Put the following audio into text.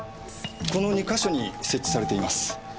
この２か所に設置されています。